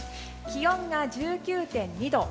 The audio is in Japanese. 気温が１９．２度。